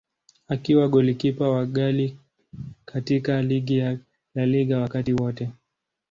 Akiwa golikipa wa ghali katika ligi ya La Liga wakati wote.